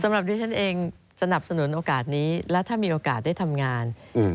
สำหรับดิฉันเองสนับสนุนโอกาสนี้และถ้ามีโอกาสได้ทำงานอืม